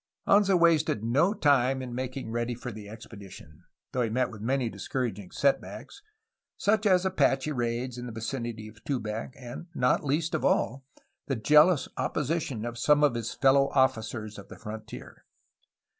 Anza wasted no time in making ready for the expedition, though he met with many discouraging setbacks, such as Apache raids in the vicinity of Tubac and, not least of all, the jealous opposition of some of his fellow officers of the frontier.